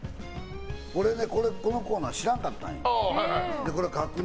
俺、このコーナー知らんかったんよ。